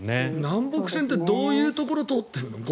南北線ってどういうところを通っているの？